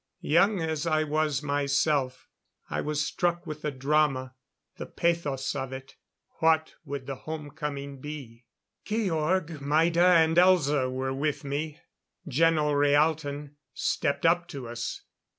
Young as I was myself, I was struck with the drama, the pathos of it. What would the home coming be? Georg, Maida and Elza were with me. Geno Rhaalton stepped up to us.